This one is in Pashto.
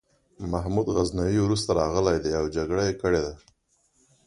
محمود غزنوي وروسته راغلی دی او جګړه یې کړې ده.